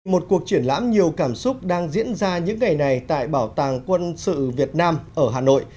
một cuộc triển lãm nhiều cảm xúc đang diễn ra những ngày này tại bảo tàng quân sự việt nam ở hà nội